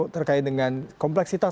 terkait dengan kompleksitas kasus